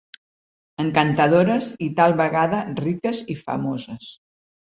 Encantadores i, tal vegada, riques i famoses.